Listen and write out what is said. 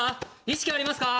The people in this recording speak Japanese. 意識ありますか？